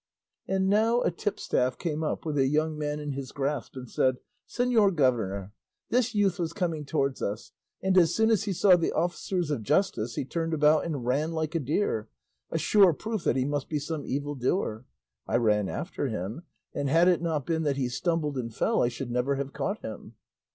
And now a tipstaff came up with a young man in his grasp, and said, "Señor governor, this youth was coming towards us, and as soon as he saw the officers of justice he turned about and ran like a deer, a sure proof that he must be some evil doer; I ran after him, and had it not been that he stumbled and fell, I should never have caught him."